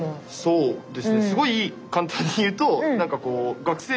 そうですね